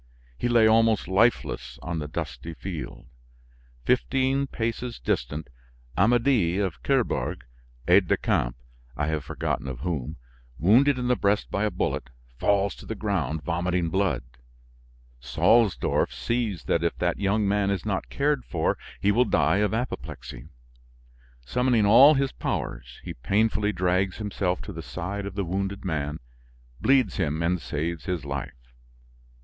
He lay almost lifeless on the dusty field. Fifteen paces distant, Amedee of Kerbourg, aide de camp, I have forgotten of whom, wounded in the breast by a bullet, falls to the ground vomiting blood. Salsdorf sees that if that young man is not cared for he will die of apoplexy; summoning all his powers, he painfully drags himself to the side of the wounded man, bleeds him and saves his life.